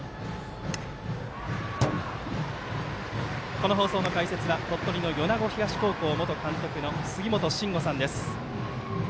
この放送の解説は鳥取の米子東高校元監督の杉本真吾さんです。